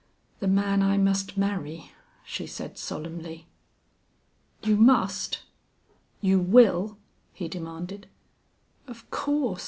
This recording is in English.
"The man I must marry," she said, solemnly. "You must you will?" he demanded. "Of course.